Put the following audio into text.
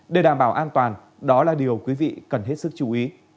để đảm bảo an toàn đó là điều quý vị cần hết sức chú ý